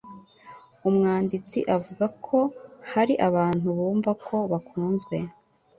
Umwanditsi avuga ko hari abantu bumva ko bakunzwe